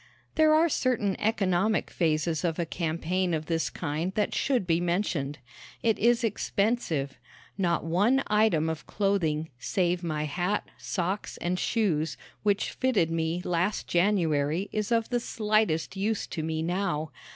There are certain economic phases of a campaign of this kind that should be mentioned. It is expensive. Not one item of clothing, save my hat, socks and shoes, which fitted me last January is of the slightest use to me now.